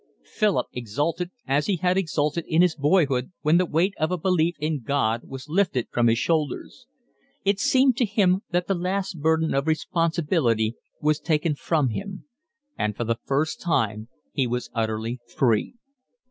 Philip exulted, as he had exulted in his boyhood when the weight of a belief in God was lifted from his shoulders: it seemed to him that the last burden of responsibility was taken from him; and for the first time he was utterly free.